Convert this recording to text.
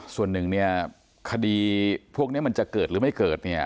ส่วนหนึ่งเนี่ยคดีพวกนี้มันจะเกิดหรือไม่เกิดเนี่ย